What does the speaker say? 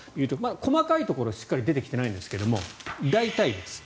細かいところしっかり出てきていないんですが大体です。